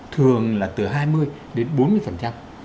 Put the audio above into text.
thường là từ hai mươi đến bốn mươi